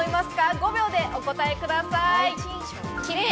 ５秒でお答えください。